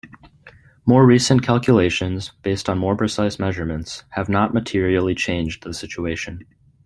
More recent calculations based on more precise measurements have not materially changed the situation.